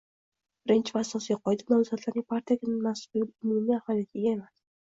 Birinchi va asosiy qoida - nomzodlarning partiyaga mansubligi umuman ahamiyatga ega emas